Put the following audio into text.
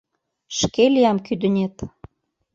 Шке лиям кӱдынет.